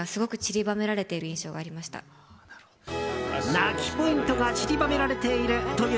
泣きポイントが散りばめられているという